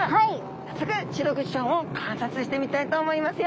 早速シログチちゃんを観察してみたいと思いますよ。